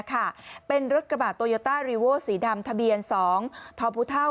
ค่ะเป็นรถกระบะโตโยต้ารีโว่สีดำทะเบียนสองท้อพูเท่า